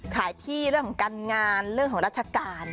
ภายที่เรื่องของการงานของรัฐกาล